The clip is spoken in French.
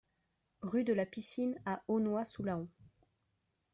Rue de la Piscine à Aulnois-sous-Laon